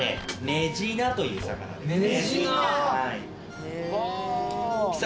メジナという魚ですね。